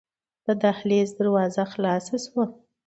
د دهلېز دروازه خلاصه شوه.